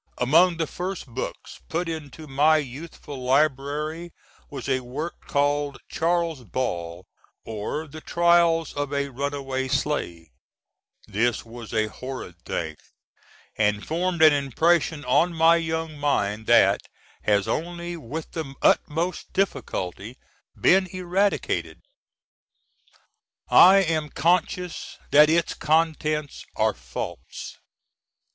Among the first books put into my youthful library, was a work called Charles Ball, or The Trials of a Run Away Slave. This was a horrid thing, and formed an impression on my young mind that has only with the utmost difficulty been eradicated. I am conscious that its contents are false.